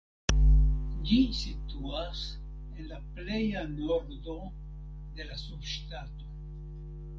Ĝi situas en la pleja nordo de la subŝtato.